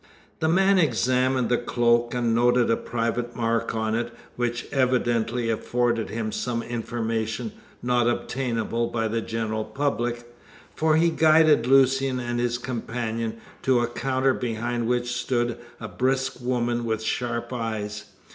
The man examined the cloak, and noted a private mark on it, which evidently afforded him some information not obtainable by the general public, for he guided Lucian and his companion to a counter behind which stood a brisk woman with sharp eyes.